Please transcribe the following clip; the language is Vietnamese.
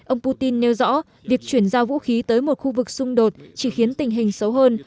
ông putin nêu rõ việc chuyển giao vũ khí tới một khu vực xung đột chỉ khiến tình hình xấu hơn